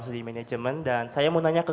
sedi management dan saya mau nanya ke